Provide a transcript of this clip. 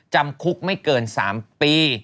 จำคุกไม่เกิน๓ปี